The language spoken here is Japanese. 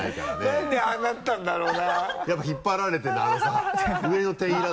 なんでああなったんだろう？